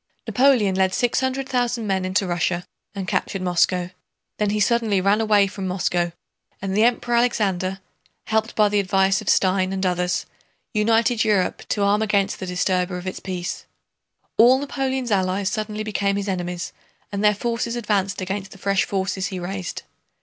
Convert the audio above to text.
Napoleon led six hundred thousand men into Russia and captured Moscow; then he suddenly ran away from Moscow, and the Emperor Alexander, helped by the advice of Stein and others, united Europe to arm against the disturber of its peace. All Napoleon's allies suddenly became his enemies and their forces advanced against the fresh forces he raised.